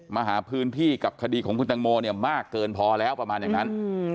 มาหาพื้นที่กับคดีของคุณตังโมเนี่ยมากเกินพอแล้วประมาณอย่างนั้น